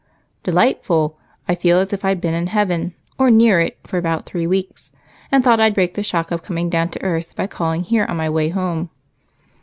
"Delightful! I feel as if I'd been in heaven, or near it, for about three weeks, and thought I'd break the shock of coming down to the earth by calling here on my way home."